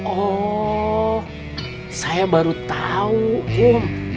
oh saya baru tau um